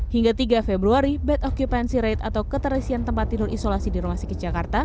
hingga tiga februari bed occupancy rate atau keterisian tempat tidur isolasi di rumah sakit jakarta